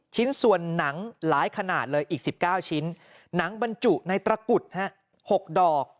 ชิ้นส่วนหนังหลายขนาดเลยอีก๑๙ชิ้นหนังบรรจุในตระกุด๖ดอก